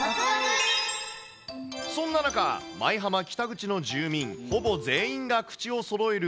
そんな中、舞浜北口の住民、ほぼ全員が口をそろえる